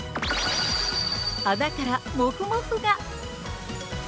穴からもふもふが。